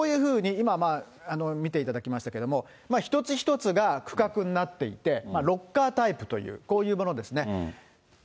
こういうふうに今、見ていただきましたけれども、一つ一つが区画になっていて、ロッカータイプという、こういうものですね。